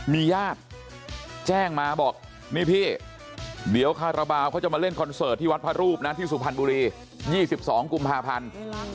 มีญาติแจ้งมาบอกนี่พี่เดี๋ยวคาราบาลเขาจะมาเล่นคอนเสิร์ตที่วัดพระรูปนะที่สุพรรณบุรี๒๒กุมภาพันธ์